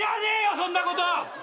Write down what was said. そんなこと！